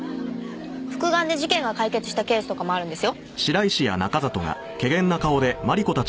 復顔で事件が解決したケースとかもあるんですよ。